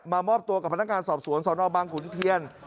มอบตัวกับพนักงานสอบสวนสนบังขุนเทียน